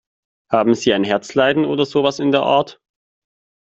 Haben Sie ein Herzleiden oder sowas in der Art?